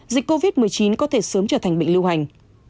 dịch covid một mươi chín có thể sớm trở thành bệnh lưu hành